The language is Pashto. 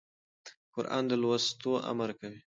قرآن د لوست امر کوي.